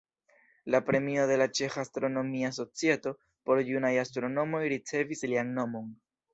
La premio de la Ĉeĥa Astronomia Societo por junaj astronomoj ricevis lian nomon.